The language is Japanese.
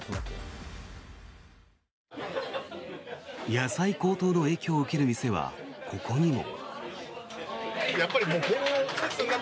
野菜高騰の影響を受ける店はここにも。